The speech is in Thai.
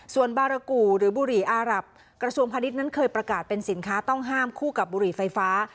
ส่วนบารกูหรือบุหรี่อารับกระทรวงพาณิชย์นั้นเคยประกาศเป็นสินค้าต้องห้ามคู่กับบุหรี่ไฟฟ้า